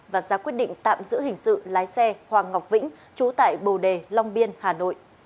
và ra quyết định tạm giữ hình sự lái xe hoàng ngọc vĩnh trú tại bồ đề long biên hà nội